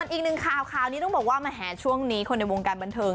อีกหนึ่งข่าวข่าวนี้ต้องบอกว่าแหมช่วงนี้คนในวงการบันเทิง